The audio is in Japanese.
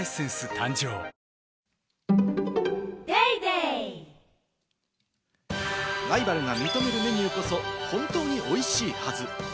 誕生ライバルが認めるメニューこそ本当においしいはず。